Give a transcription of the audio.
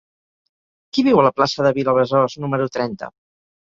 Qui viu a la plaça de Vilabesòs número trenta?